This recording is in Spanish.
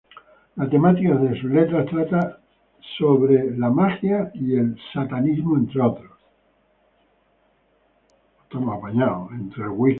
La temática de sus letras trata sorbe la magia y el satanismo entre otros.